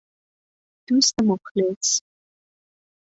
دوست مخلص